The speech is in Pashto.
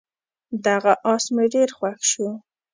دغه اس مې ډېر خوښ شو.